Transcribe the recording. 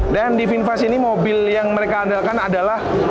dan di finfast ini mobil yang mereka andalkan adalah